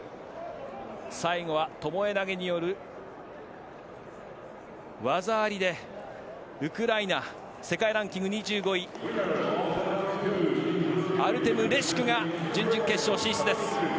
最後はともえ投げによる技ありでウクライナ世界ランキング２５位アルテム・レシュクが準々決勝進出です。